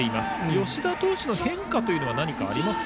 吉田投手の変化というのは何かありますか？